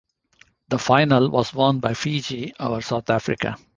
The final was won by Fiji over South Africa.